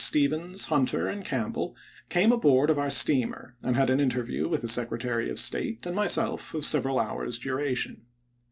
Stephens, Hnnter, and Campbell, came aboard of our steamer, and had an interview with the Secretary of State and myself of several hours' duration.